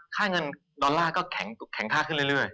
ค่าเงินดอลลาร์ก็แข็งค่าขึ้นเรื่อย